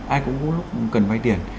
ai cũng có lúc cần vay tiền